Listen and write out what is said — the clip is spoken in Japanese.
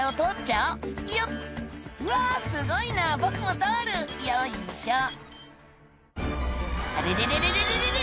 「うわすごいな僕も通るよいしょ」「あれれれれ」